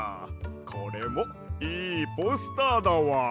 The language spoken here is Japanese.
これもいいポスターだわ。